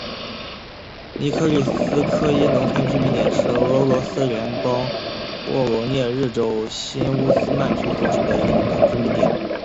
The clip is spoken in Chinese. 尼科利斯科耶农村居民点是俄罗斯联邦沃罗涅日州新乌斯曼区所属的一个农村居民点。